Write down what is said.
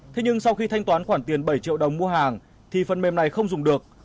thế nhưng sau khi thanh toán khoản tiền bảy triệu đồng mua hàng thì phần mềm này không dùng được